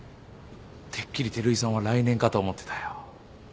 てっきり照井さんは来年かと思ってたよ。